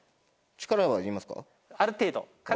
力はいりますか？